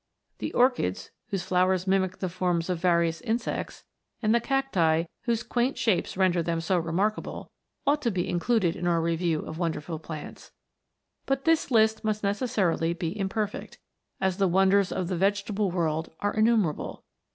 The orchids, whose flowers mimic the forms of various insects ; and the cacti, whose quaint shapes render them so remarkable, ought to be included in our review of wonderful plants; but this list must ne cessarily be imperfect, as the wonders of the vege table world are innumei able.